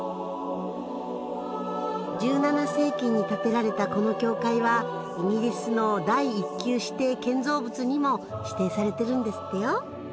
１７世紀に建てられたこの教会はイギリスの第一級指定建造物にも指定されてるんですってよ。